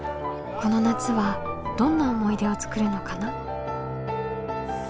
この夏はどんな思い出を作るのかな？